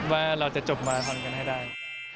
ว่าเราจะจบมาทำกันให้ได้